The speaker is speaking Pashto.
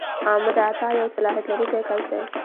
آمر اعطا یو صلاحیت لرونکی کس دی.